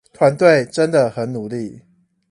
團隊真的很努力